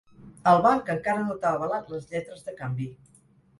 El banc encara no t'ha avalat les lletres de canvi.